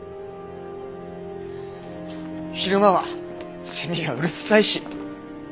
昼間はセミがうるっさいし！